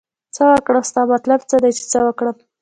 څه وکړم ستا مطلب څه دی چې څه وکړم